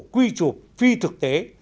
quy trục phi thực tế